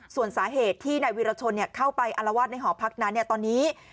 ส่วนสาเหตุที่นายวิรชนเข้าไปอารวาสในหอพักนั้นตอนนี้